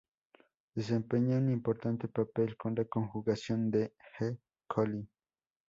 Desempeña un importante papel con la conjugación de "E. coli".